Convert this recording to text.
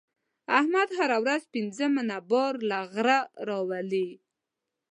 احمد هره ورځ پنځه منه بار له غره راولي.